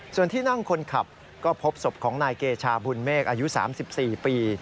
ส่วนที่นั่งคนขับก็พบศพของนายเกชาบุญเมฆอายุ๓๔ปี